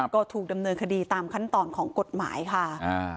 ก็ถูกดำเนินคดีตามขั้นตอนของกฎหมายค่ะ